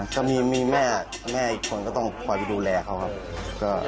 ก็มีแม่แม่อีกคนก็ต้องคอยไปดูแลเขาครับ